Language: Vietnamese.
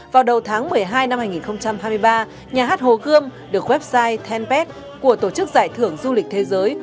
vào đầu tháng một mươi hai năm hai nghìn hai mươi ba nhà hát hồ gươm được website tenpet của tổ chức giải thưởng du lịch thế giới